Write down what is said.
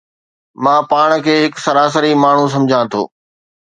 مان پاڻ کي هڪ سراسري ماڻهو سمجهان ٿو